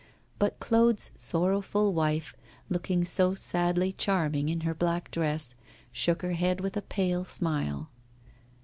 But Claude's sorrowful wife, looking so sadly charming in her black dress, shook her head with a pale smile.